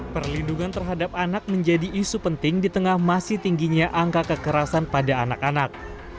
perlindungan terhadap anak menjadi isu penting di tengah masih tingginya angka kekerasan pada anak anak